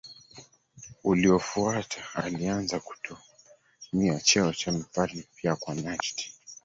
uliofuata alianza kutumia cheo cha mfalme pia kwa Najd